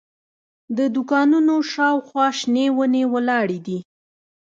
د دوکانونو شاوخوا شنې ونې ولاړې دي.